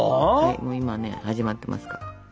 今ね始まってますから。